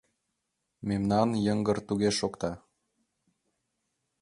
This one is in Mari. Мемнан йыҥгыр туге шокта.